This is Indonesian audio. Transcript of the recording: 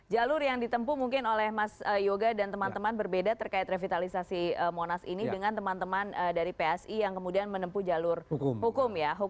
jalur yang ditempu mungkin oleh mas yoga dan teman teman berbeda terkait revitalisasi monas ini dengan teman teman dari psi yang kemudian menempuh jalur hukum ya